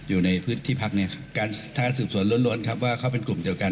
อยู่ในพื้นที่พักเนี่ยการทางสืบสวนล้วนครับว่าเขาเป็นกลุ่มเดียวกัน